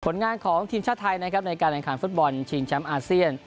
งานของทีมชาติไทยนะครับในการแข่งขันฟุตบอลชิงแชมป์อาเซียน